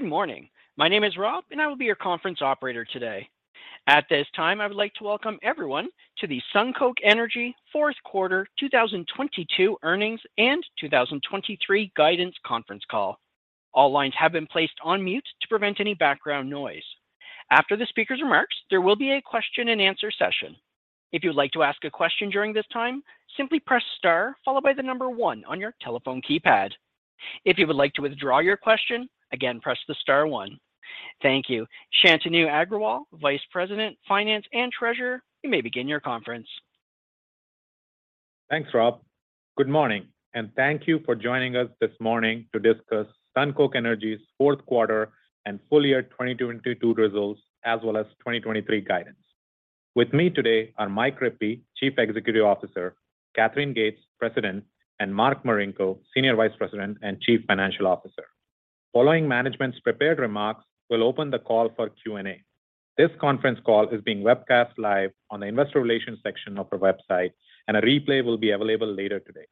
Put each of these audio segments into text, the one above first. Good morning. My name is Rob, I will be your conference operator today. At this time, I would like to welcome everyone to the SunCoke Energy Q4 2022 earnings and 2023 guidance conference call. All lines have been placed on mute to prevent any background noise. After the speaker's remarks, there will be a question and answer session. If you would like to ask a question during this time, simply press star followed by the number one on your telephone keypad. If you would like to withdraw your question, again, press the star one. Thank you. Shantanu Agrawal, Vice President, Finance, and Treasurer, you may begin your conference. Thanks, Rob. Good morning, and thank you for joining us this morning to discuss SunCoke Energy's Q4 and full year 2022 results as well as 2023 guidance. With me today are Mike Rippey, Chief Executive Officer, Katherine Gates, President, and Mark Marinko, Senior Vice President and Chief Financial Officer. Following management's prepared remarks, we'll open the call for Q&A. This conference call is being webcast live on the investor relations section of our website, and a replay will be available later today.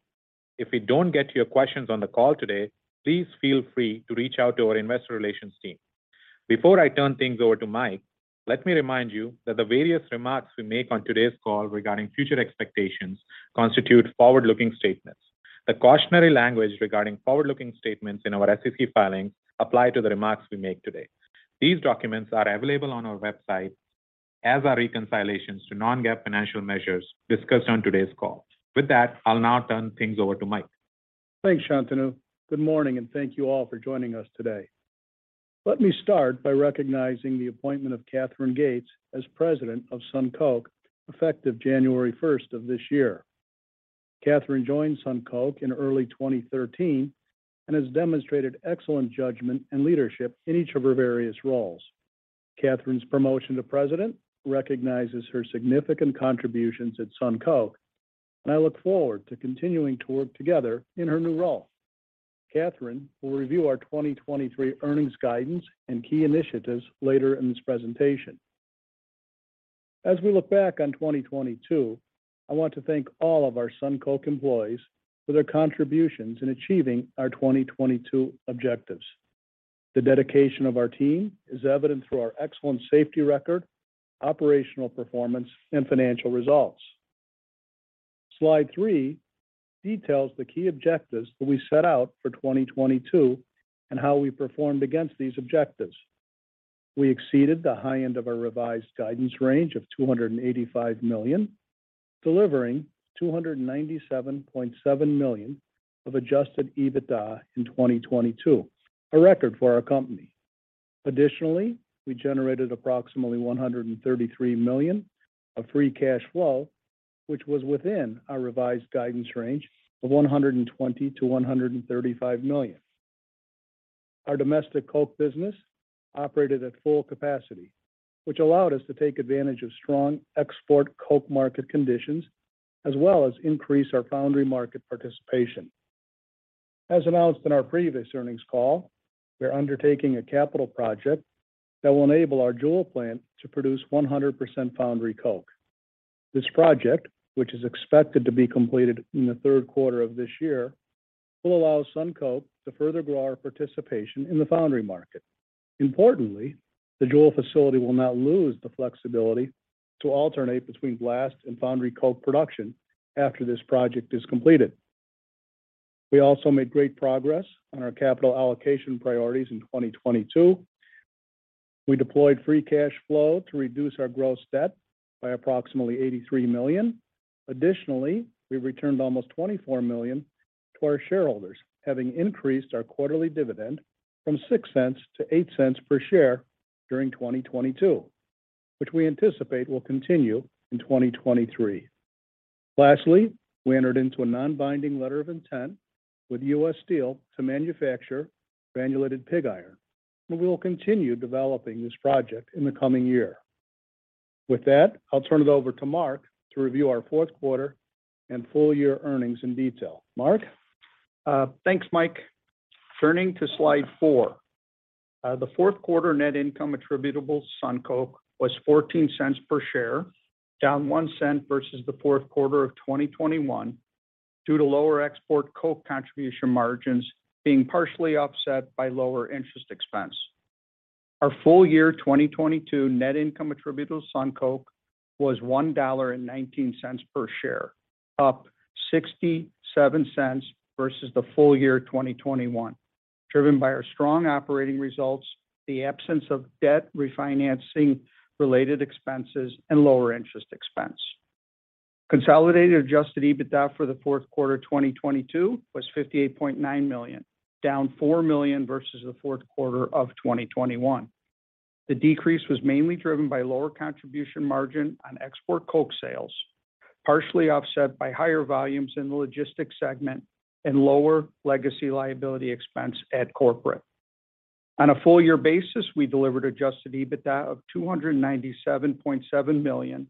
If we don't get to your questions on the call today, please feel free to reach out to our investor relations team. Before I turn things over to Mike, let me remind you that the various remarks we make on today's call regarding future expectations constitute forward-looking statements. The cautionary language regarding forward-looking statements in our SEC filing apply to the remarks we make today. These documents are available on our website as are reconciliations to non-GAAP financial measures discussed on today's call. With that, I'll now turn things over to Mike. Thanks, Shantanu. Good morning. Thank you all for joining us today. Let me start by recognizing the appointment of Katherine Gates as president of SunCoke, effective January first of this year. Katherine joined SunCoke in early 2013 and has demonstrated excellent judgment and leadership in each of her various roles. Katherine's promotion to president recognizes her significant contributions at SunCoke. I look forward to continuing to work together in her new role. Katherine will review our 2023 earnings guidance and key initiatives later in this presentation. As we look back on 2022, I want to thank all of our SunCoke employees for their contributions in achieving our 2022 objectives. The dedication of our team is evident through our excellent safety record, operational performance, and financial results. Slide three details the key objectives that we set out for 2022 and how we performed against these objectives. We exceeded the high end of our revised guidance range of $285 million, delivering $297.7 million of adjusted EBITDA in 2022, a record for our company. Additionally, we generated approximately $133 million of free cash flow, which was within our revised guidance range of $120 million-$135 million. Our domestic coke business operated at full capacity, which allowed us to take advantage of strong export coke market conditions as well as increase our foundry market participation. As announced in our previous earnings call, we're undertaking a capital project that will enable our Jewell plant to produce 100% foundry coke. This project, which is expected to be completed in the Q3 of this year, will allow SunCoke to further grow our participation in the foundry market. Importantly, the Jewell facility will not lose the flexibility to alternate between blast and foundry coke production after this project is completed. We also made great progress on our capital allocation priorities in 2022. We deployed free cash flow to reduce our gross debt by approximately $83 million. We returned almost $24 million to our shareholders, having increased our quarterly dividend from $0.06-$0.08 per share during 2022, which we anticipate will continue in 2023. We entered into a non-binding letter of intent with U.S. Steel to manufacture granulated pig iron. We will continue developing this project in the coming year. With that, I'll turn it over to Mark to review our Q4 and full-year earnings in detail. Mark? Thanks, Mike. Turning to slide four. The Q4 net income attributable SunCoke was $0.14 per share, down $0.01 versus the fourth quarter of 2021 due to lower export coke contribution margins being partially offset by lower interest expense. Our full year 2022 net income attributable SunCoke was $1.19 per share, up $0.67 versus the full year 2021, driven by our strong operating results, the absence of debt refinancing related expenses, and lower interest expense. Consolidated adjusted EBITDA for the Q4 2022 was $58.9 million, down $4 million versus the Q4 of 2021. The decrease was mainly driven by lower contribution margin on export coke sales, partially offset by higher volumes in the logistics segment and lower legacy liability expense at corporate. On a full year basis, we delivered adjusted EBITDA of $297.7 million,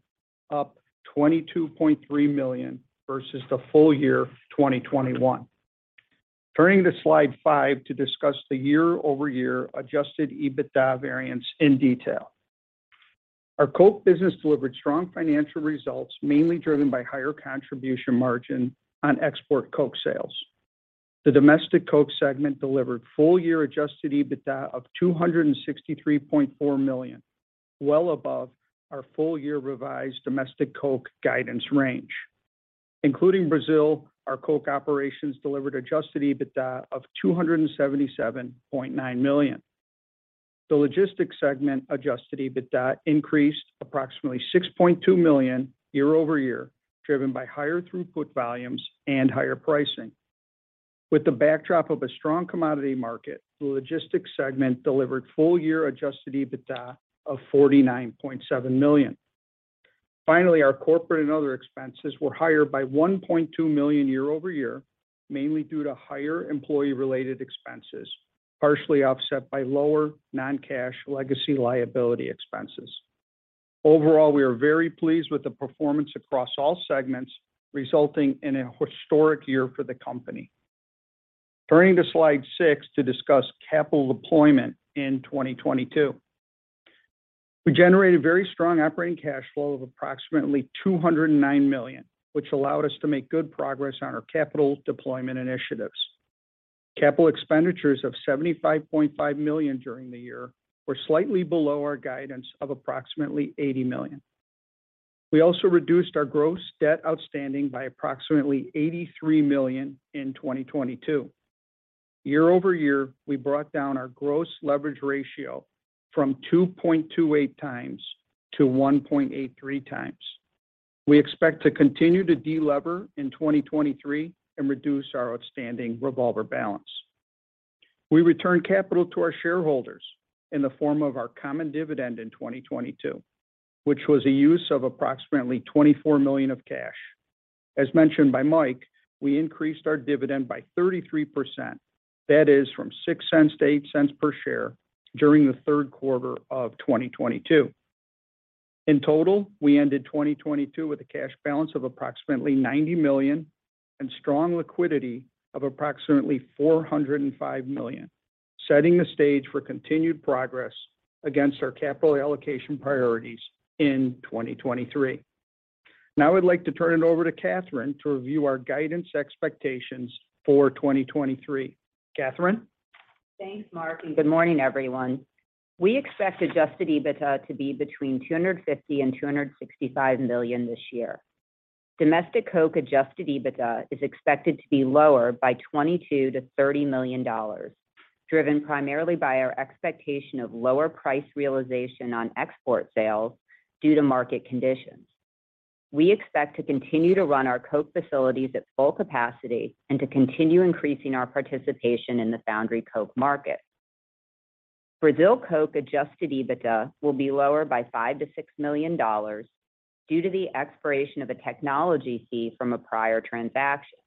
up $22.3 million versus the full year 2021. Turning to slide five to discuss the year-over-year adjusted EBITDA variance in detail. Our Coke business delivered strong financial results, mainly driven by higher contribution margin on export coke sales. The domestic Coke segment delivered full year adjusted EBITDA of $263.4 million, well above our full year revised domestic Coke guidance range. Including Brazil, our Coke operations delivered adjusted EBITDA of $277.9 million. The logistics segment adjusted EBITDA increased approximately $6.2 million year-over-year, driven by higher throughput volumes and higher pricing. With the backdrop of a strong commodity market, the logistics segment delivered full year adjusted EBITDA of $49.7 million. Finally, our corporate and other expenses were higher by $1.2 million year-over-year, mainly due to higher employee-related expenses, partially offset by lower non-cash legacy liability expenses. Overall, we are very pleased with the performance across all segments, resulting in a historic year for the company. Turning to slide six to discuss capital deployment in 2022. We generated very strong operating cash flow of approximately $209 million, which allowed us to make good progress on our capital deployment initiatives. Capital expenditures of $75.5 million during the year were slightly below our guidance of approximately $80 million. We also reduced our gross debt outstanding by approximately $83 million in 2022. Year-over-year, we brought down our gross leverage ratio from 2.28x-1.83x. We expect to continue to de-lever in 2023 and reduce our outstanding revolver balance. We returned capital to our shareholders in the form of our common dividend in 2022, which was a use of approximately $24 million of cash. As mentioned by Mike, we increased our dividend by 33%. That is from $0.06-$0.08 per share during the Q3 of 2022. In total, we ended 2022 with a cash balance of approximately $90 million and strong liquidity of approximately $405 million, setting the stage for continued progress against our capital allocation priorities in 2023. Now I'd like to turn it over to Katherine to review our guidance expectations for 2023. Katherine? Thanks, Mark. Good morning, everyone. We expect adjusted EBITDA to be between $250 million and $265 million this year. Domestic Coke adjusted EBITDA is expected to be lower by $22 million-$30 million, driven primarily by our expectation of lower price realization on export sales due to market conditions. We expect to continue to run our Coke facilities at full capacity and to continue increasing our participation in the foundry Coke market. Brazil Coke adjusted EBITDA will be lower by $5 million-$6 million due to the expiration of a technology fee from a prior transaction.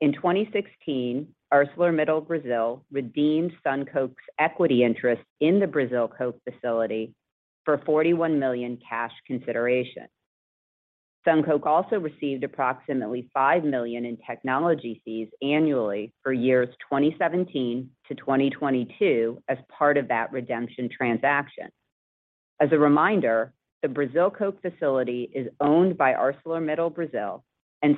In 2016, ArcelorMittal Brazil redeemed SunCoke's equity interest in the Brazil Coke facility for $41 million cash consideration. SunCoke also received approximately $5 million in technology fees annually for years 2017-2022 as part of that redemption transaction. As a reminder, the Brazil Coke facility is owned by ArcelorMittal Brazil.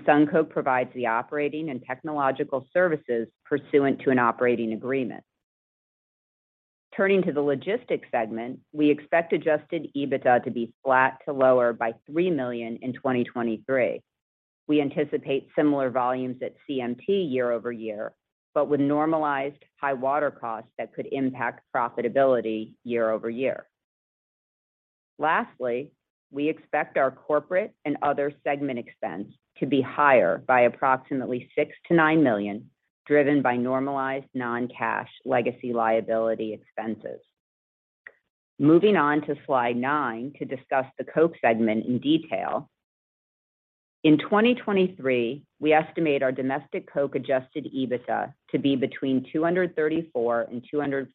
SunCoke provides the operating and technological services pursuant to an operating agreement. Turning to the logistics segment, we expect adjusted EBITDA to be flat to lower by $3 million in 2023. We anticipate similar volumes at CMT year-over-year, with normalized high water costs that could impact profitability year-over-year. Lastly, we expect our corporate and other segment expense to be higher by approximately $6 million-$9 million, driven by normalized non-cash legacy liability expenses. Moving on to slide nine to discuss the Coke segment in detail. In 2023, we estimate our domestic Coke adjusted EBITDA to be between $234 million and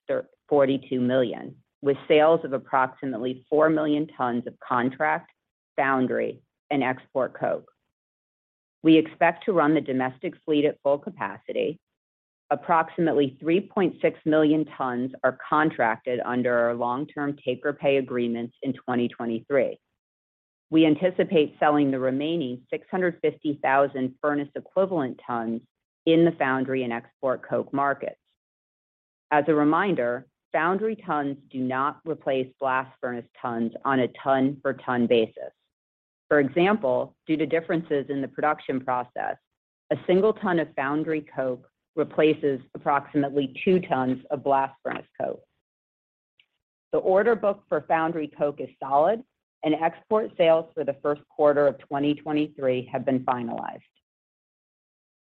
$242 million, with sales of approximately 4 million tons of contract, foundry, and export Coke. We expect to run the domestic fleet at full capacity. Approximately 3.6 million tons are contracted under our long-term take-or-pay agreements in 2023. We anticipate selling the remaining 650,000 furnace equivalent tons in the foundry and export coke markets. As a reminder, foundry tons do not replace blast furnace tons on a ton for ton basis. For example, due to differences in the production process, a single ton of foundry coke replaces approximately 2 tons of blast furnace coke. The order book for foundry coke is solid, and export sales for the Q1 of 2023 have been finalized.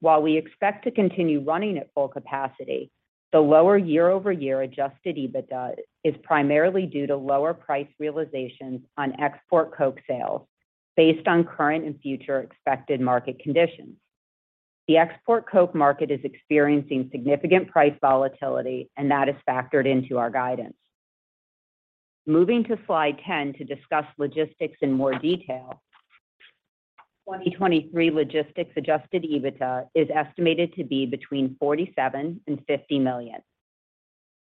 While we expect to continue running at full capacity, the lower year-over-year adjusted EBITDA is primarily due to lower price realizations on export coke sales based on current and future expected market conditions. The export coke market is experiencing significant price volatility, and that is factored into our guidance. Moving to slide 10 to discuss logistics in more detail. 2023 logistics adjusted EBITDA is estimated to be between $47 million and $50 million.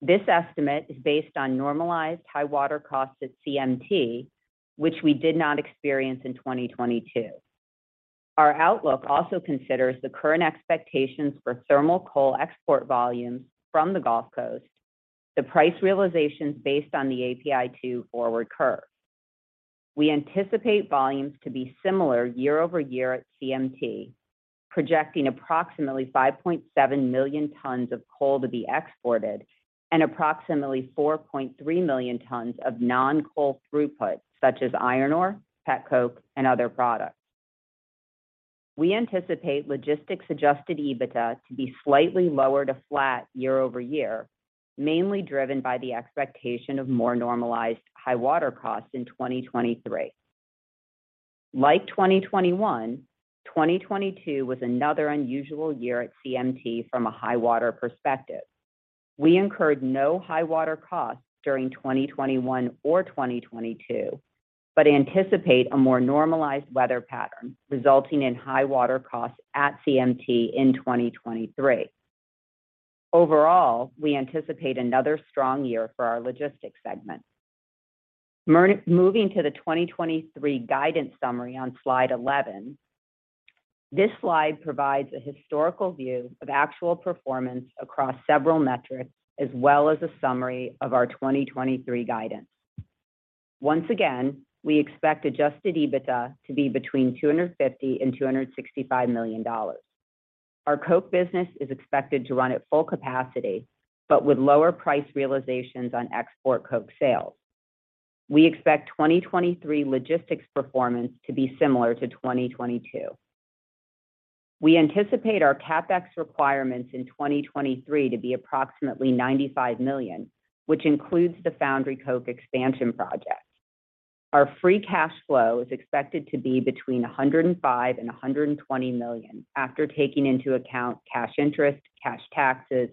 This estimate is based on normalized high water costs at CMT, which we did not experience in 2022. Our outlook also considers the current expectations for thermal coal export volumes from the Gulf Coast, the price realizations based on the API2 forward curve. We anticipate volumes to be similar year-over-year at CMT, projecting approximately 5.7 million tons of coal to be exported and approximately 4.3 million tons of non-coal throughput, such as iron ore, petcoke and other products. We anticipate logistics adjusted EBITDA to be slightly lower to flat year-over-year, mainly driven by the expectation of more normalized high water costs in 2023. Like 2021, 2022 was another unusual year at CMT from a high water perspective. We incurred no high water costs during 2021 or 2022, anticipate a more normalized weather pattern resulting in high water costs at CMT in 2023. Overall, we anticipate another strong year for our logistics segment. Moving to the 2023 guidance summary on slide 11. This slide provides a historical view of actual performance across several metrics, as well as a summary of our 2023 guidance. Once again, we expect adjusted EBITDA to be between $250 million and $265 million. Our coke business is expected to run at full capacity, with lower price realizations on export coke sales. We expect 2023 logistics performance to be similar to 2022. We anticipate our CapEx requirements in 2023 to be approximately $95 million, which includes the foundry coke expansion project. Our free cash flow is expected to be between $105 million and $120 million after taking into account cash interest, cash taxes,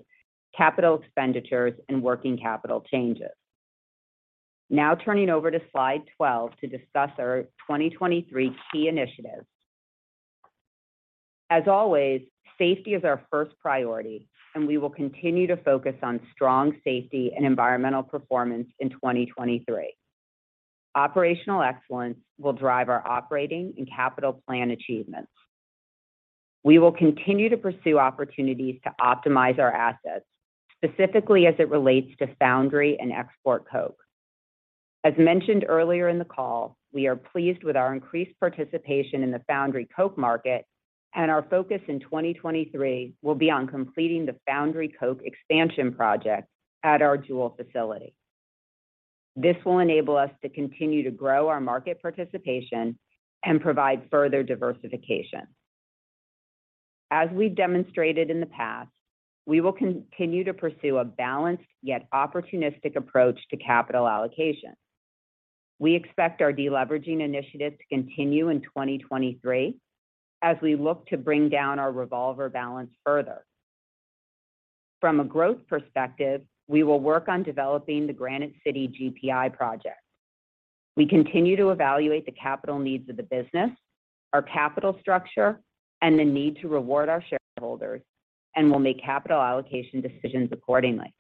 capital expenditures and working capital changes. Turning over to slide 12 to discuss our 2023 key initiatives. As always, safety is our first priority, and we will continue to focus on strong safety and environmental performance in 2023. Operational excellence will drive our operating and capital plan achievements. We will continue to pursue opportunities to optimize our assets, specifically as it relates to foundry and export coke. As mentioned earlier in the call, we are pleased with our increased participation in the foundry coke market. Our focus in 2023 will be on completing the foundry coke expansion project at our Jewell facility. This will enable us to continue to grow our market participation and provide further diversification. As we've demonstrated in the past, we will continue to pursue a balanced yet opportunistic approach to capital allocation. We expect our deleveraging initiative to continue in 2023 as we look to bring down our revolver balance further. From a growth perspective, we will work on developing the Granite City GPI project. We continue to evaluate the capital needs of the business, our capital structure, and the need to reward our shareholders. We'll make capital allocation decisions accordingly.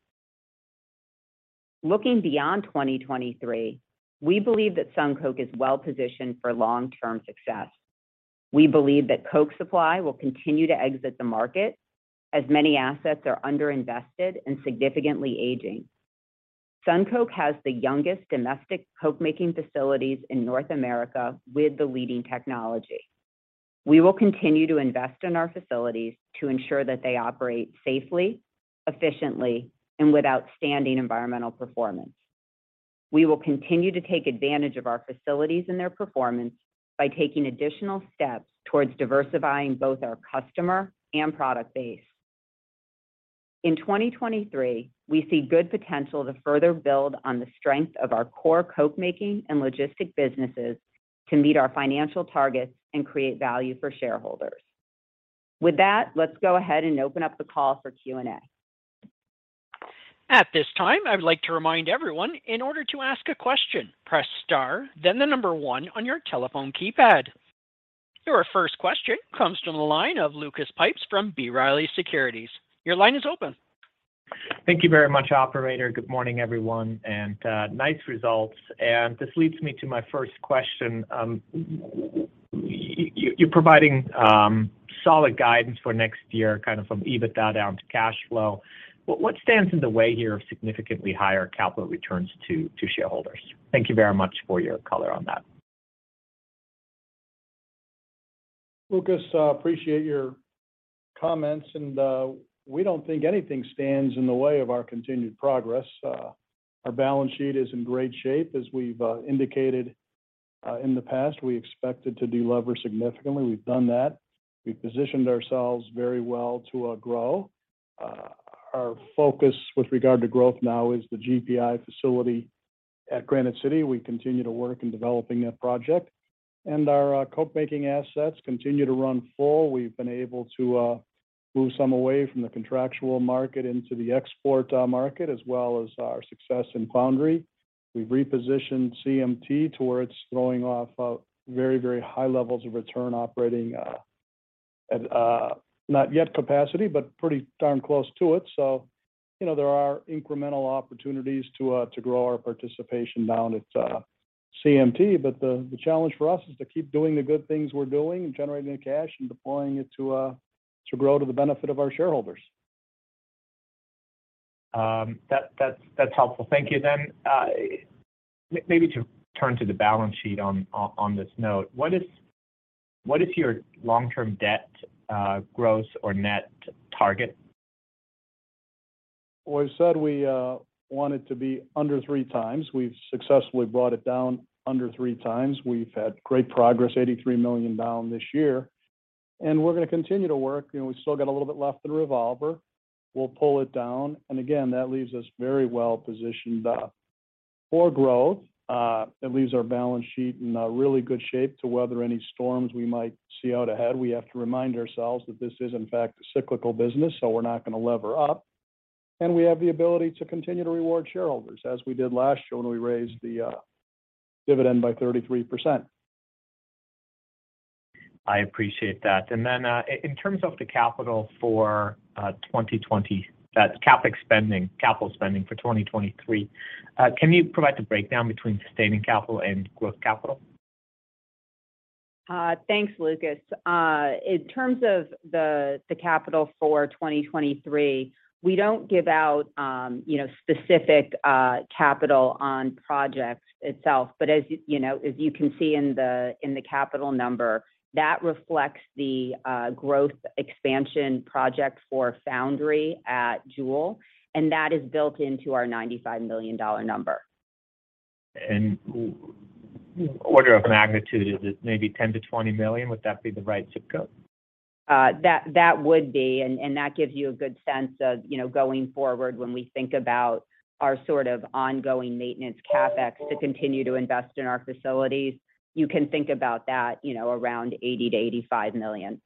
Looking beyond 2023, we believe that SunCoke is well positioned for long-term success. We believe that coke supply will continue to exit the market as many assets are underinvested and significantly aging. SunCoke has the youngest domestic coke-making facilities in North America with the leading technology. We will continue to invest in our facilities to ensure that they operate safely, efficiently, and with outstanding environmental performance. We will continue to take advantage of our facilities and their performance by taking additional steps towards diversifying both our customer and product base. In 2023, we see good potential to further build on the strength of our core coke-making and logistic businesses to meet our financial targets and create value for shareholders. With that, let's go ahead and open up the call for Q&A. At this time, I would like to remind everyone in order to ask a question, press star then one on your telephone keypad. Your first question comes from the line of Lucas Pipes from B. Riley Securities. Your line is open. Thank you very much, operator. Good morning, everyone, and nice results. This leads me to my first question. You're providing solid guidance for next year, kind of from EBITDA down to cash flow. What stands in the way here of significantly higher capital returns to shareholders? Thank you very much for your color on that. Lucas, appreciate your comments and we don't think anything stands in the way of our continued progress. Our balance sheet is in great shape. As we've indicated in the past, we expected to delever significantly. We've done that. We've positioned ourselves very well to grow. Our focus with regard to growth now is the GPI facility at Granite City. We continue to work in developing that project, and our coke-making assets continue to run full. We've been able to move some away from the contractual market into the export market, as well as our success in foundry. We've repositioned CMT towards throwing off very, very high levels of return operating at not yet capacity, but pretty darn close to it. You know, there are incremental opportunities to grow our participation down at CMT. The challenge for us is to keep doing the good things we're doing and generating the cash and deploying it to grow to the benefit of our shareholders. That's helpful. Thank you. Maybe to turn to the balance sheet on this note. What is your long-term debt, growth or net target? Well, we've said we want it to be under 3x. We've successfully brought it down under 3x. We've had great progress, $83 million down this year. We're gonna continue to work. You know, we've still got a little bit left in revolver. We'll pull it down. Again, that leaves us very well positioned for growth. It leaves our balance sheet in really good shape to weather any storms we might see out ahead. We have to remind ourselves that this is, in fact, a cyclical business, so we're not gonna lever up. We have the ability to continue to reward shareholders, as we did last year when we raised the dividend by 33%. I appreciate that. In terms of the capital for That's CapEx spending, capital spending for 2023, can you provide the breakdown between sustaining capital and growth capital? Thanks, Lucas. In terms of the capital for 2023, we don't give out, you know, specific capital on projects itself. As you know, as you can see in the capital number, that reflects the growth expansion project for foundry at Jewell, and that is built into our $95 million number. And w- Yeah order of magnitude, is it maybe $10 million-$20 million? Would that be the right zip code? That would be, and that gives you a good sense of, you know, going forward when we think about our sort of ongoing maintenance CapEx to continue to invest in our facilities. You can think about that, you know, around $80 million-$85 million.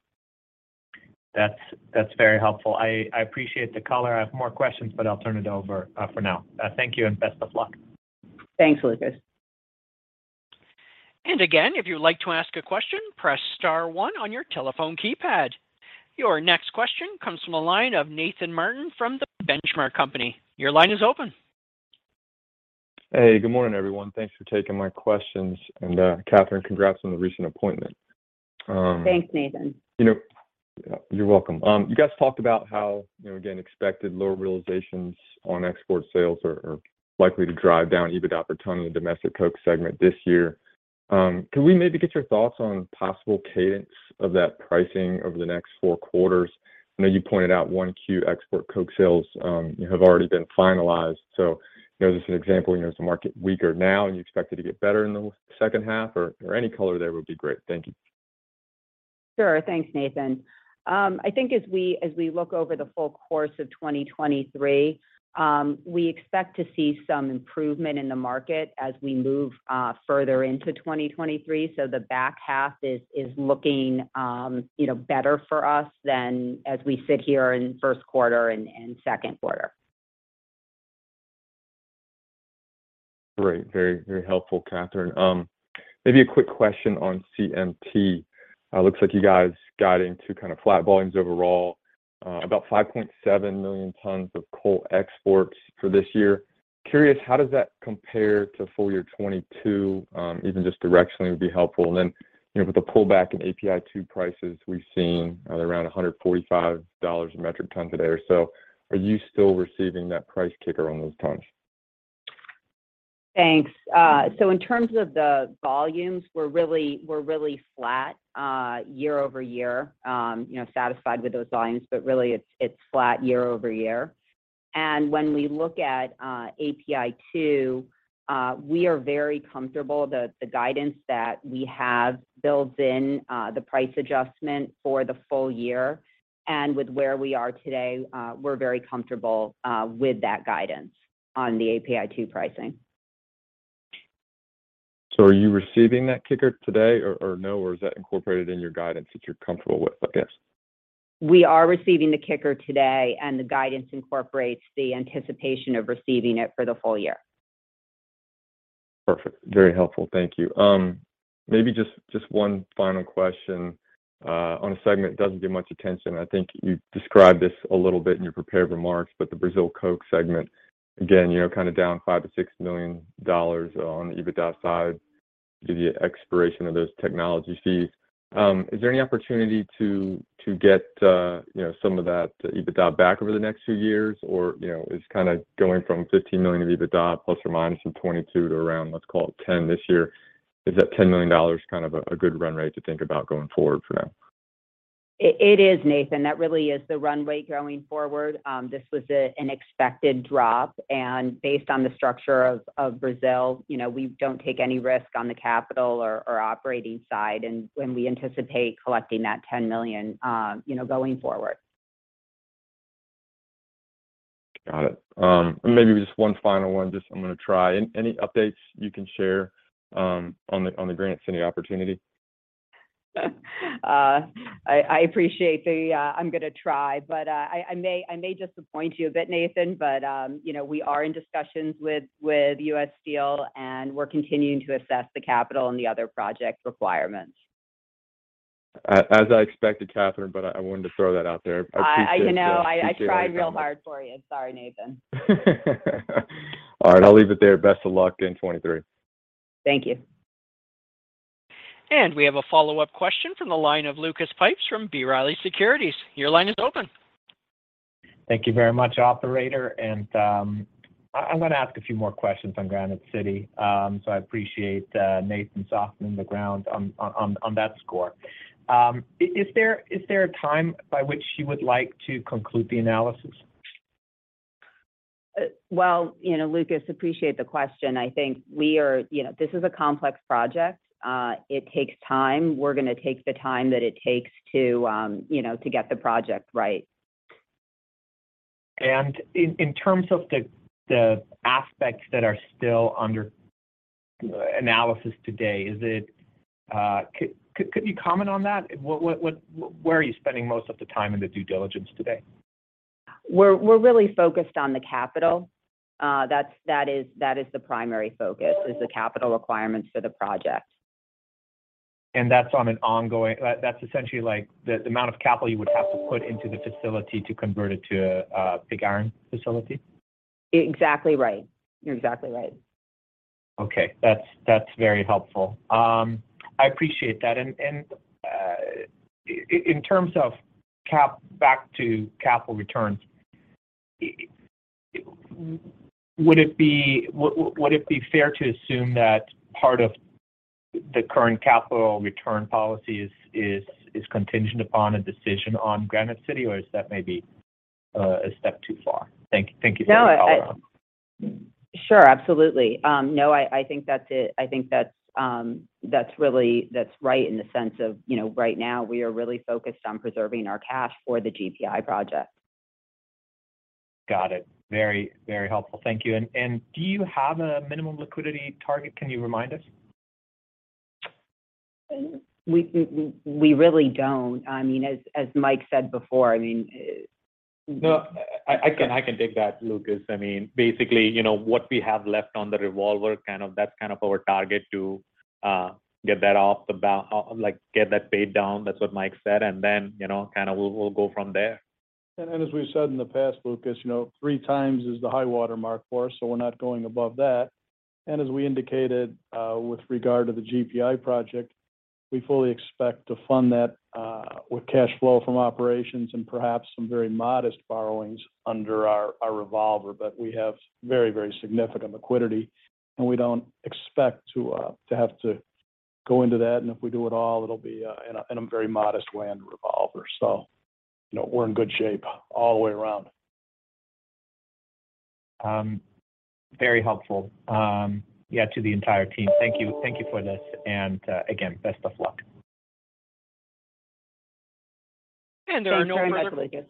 That's very helpful. I appreciate the color. I have more questions, but I'll turn it over for now. Thank you, and best of luck. Thanks, Lucas. Again, if you would like to ask a question, press star one on your telephone keypad. Your next question comes from the line of Nathan Martin from The Benchmark Company. Your line is open. Hey, good morning, everyone. Thanks for taking my questions. Katherine, congrats on the recent appointment. Thanks, Nathan. You know... You're welcome. You guys talked about how, you know, again, expected lower realizations on export sales are likely to drive down EBITDA per ton in the domestic coke segment this year. Can we maybe get your thoughts on possible cadence of that pricing over the next four quarters? I know you pointed out 1Q export coke sales have already been finalized. You know, just an example, you know, is the market weaker now and you expect it to get better in the second half or any color there would be great. Thank you. Sure. Thanks, Nathan. I think as we look over the full course of 2023, we expect to see some improvement in the market as we move further into 2023. The back half is looking, you know, better for us than as we sit here in Q1 and Q2. Great. Very, very helpful, Katherine. Maybe a quick question on CMT. It looks like you guys got into kind of flat volumes overall, about 5.7 million tons of coal exports for this year. Curious, how does that compare to full year 2022? Even just directionally would be helpful. You know, with the pullback in API2 prices we've seen at around $145 a metric ton today or so, are you still receiving that price kicker on those tons? Thanks. In terms of the volumes, we're really flat year-over-year. You know, satisfied with those volumes, but really it's flat year-over-year. When we look at API2, we are very comfortable the guidance that we have builds in the price adjustment for the full year. With where we are today, we're very comfortable with that guidance on the API2 pricing. Are you receiving that kicker today or no, or is that incorporated in your guidance that you're comfortable with, I guess? We are receiving the kicker today. The guidance incorporates the anticipation of receiving it for the full year. Perfect. Very helpful. Thank you. Maybe just one final question on a segment that doesn't get much attention. I think you described this a little bit in your prepared remarks. The Brazil coke segment, again, you know, kinda down $5 million-$6 million on the EBITDA side due to expiration of those technology fees. Is there any opportunity to get, you know, some of that EBITDA back over the next few years? You know, it's kinda going from $15 million of EBITDA plus or minus some 22 to around, let's call it $10 this year. Is that $10 million kind of a good run rate to think about going forward for now? It is, Nathan. That really is the run rate going forward. This was an expected drop. Based on the structure of Brazil, you know, we don't take any risk on the capital or operating side. We anticipate collecting that $10 million, you know, going forward. Got it. Maybe just one final one. Just I'm gonna try. Any updates you can share on the Granite City opportunity? I appreciate the, "I'm gonna try," but I may disappoint you a bit, Nathan, but, you know, we are in discussions with U.S. Steel, and we're continuing to assess the capital and the other project requirements. As I expected, Katherine, but I wanted to throw that out there. Uh, I- I appreciate. You know. Appreciate it, Katherine. I tried real hard for you. Sorry, Nathan. All right, I'll leave it there. Best of luck in 2023. Thank you. We have a follow-up question from the line of Lucas Pipes from B. Riley Securities. Your line is open. Thank you very much, operator. I'm gonna ask a few more questions on Granite City. I appreciate Nathan softening the ground on that score. Is there a time by which you would like to conclude the analysis? Well, you know, Lucas, appreciate the question. I think we are. You know, this is a complex project. It takes time. We're gonna take the time that it takes to, you know, to get the project right. In terms of the aspects that are still under analysis today, is it? Could you comment on that? What, where are you spending most of the time in the due diligence today? We're really focused on the capital. That is the primary focus, is the capital requirements for the project. That's essentially, like, the amount of capital you would have to put into the facility to convert it to a pig iron facility? Exactly right. You're exactly right. Okay. That's very helpful. I appreciate that. In terms of capital returns, would it be fair to assume that part of the current capital return policy is contingent upon a decision on Granite City, or is that maybe a step too far? Thank you. Thank you for the call-around. No, I... Sure, absolutely. no, I think that's it. I think that's really right in the sense of, you know, right now we are really focused on preserving our cash for the GPI project. Got it. Very helpful. Thank you. Do you have a minimum liquidity target? Can you remind us? We really don't. I mean, as Mike said before, I mean. No, I can take that, Lucas. I mean, basically, you know, what we have left on the revolver kind of. That's kind of our target to get that off the like get that paid down. That's what Mike said. You know, kind of we'll go from there. As we've said in the past, Lucas, you know, 3x is the high water mark for us. We're not going above that. As we indicated, with regard to the GPI project, we fully expect to fund that with cash flow from operations and perhaps some very modest borrowings under our revolver. We have very significant liquidity, and we don't expect to have to go into that. If we do at all, it'll be in a very modest way in the revolver. You know, we're in good shape all the way around. Very helpful, yeah, to the entire team. Thank you. Thank you for this. Again, best of luck. Thanks very much. There are no further. Thank you.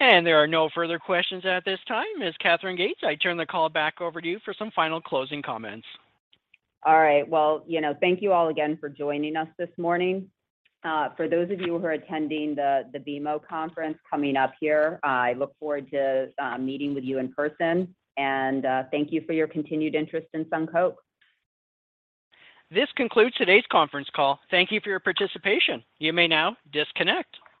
There are no further questions at this time. Ms. Katherine Gates, I turn the call back over to you for some final closing comments. All right. Well, you know, thank you all again for joining us this morning. For those of you who are attending the BMO conference coming up here, I look forward to meeting with you in person. Thank you for your continued interest in SunCoke. This concludes today's conference call. Thank you for your participation. You may now disconnect.